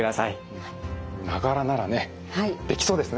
「ながら」ならねできそうですね。